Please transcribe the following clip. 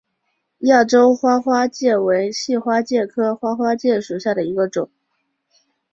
亚洲花花介为细花介科花花介属下的一个种。